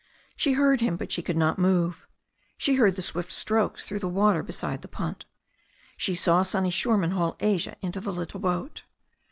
She heard him, but she could not move. She heard the swift strokes through the water beside the punt. She saw Sonny Shoreman haul Asia into the little boat.